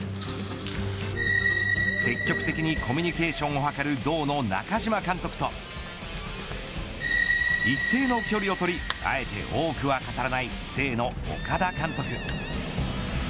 積極的にコミュニケーションを図る動の中嶋監督と一定の距離を取りあえて多くは語らない静の岡田監督。